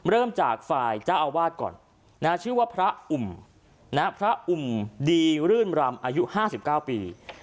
เริ่มจากฝ่ายเจ้าอาวาสก่อนชื่อว่าพระอุ่มพระอุ่มดีรื่นรำอายุ๕๙ปี